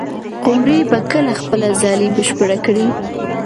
قمري به کله خپله ځالۍ بشپړه کړي؟